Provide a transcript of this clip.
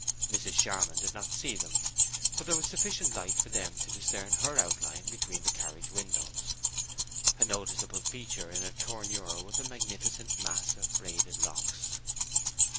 Mrs. Charmond did not see them, but there was sufficient light for them to discern her outline between the carriage windows. A noticeable feature in her tournure was a magnificent mass of braided locks.